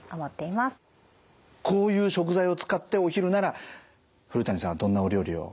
こういう食材を使ってお昼なら古谷さんはどんなお料理を？